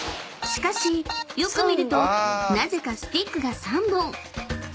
［しかしよく見るとなぜかスティックが３本］